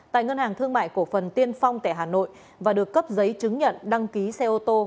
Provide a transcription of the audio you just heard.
tại ngân hàng thương mại cổ phần tiên phong tại hà nội và được cấp giấy chứng nhận đăng ký xe ô tô